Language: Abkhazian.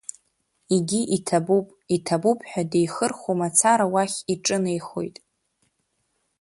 Егьи иҭабуп, иҭабуп ҳәа диеихырхәо мацара, уахь иҿынеихоит.